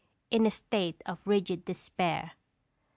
in a state of rigid despair.